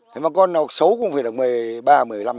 thế mà con nào xấu cũng phải được